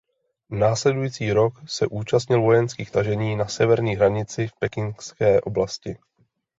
Následující rok se účastnil vojenských tažení na severní hranici v pekingské oblasti.